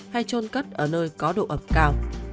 hay trôn cất ở nơi có độ ẩm cao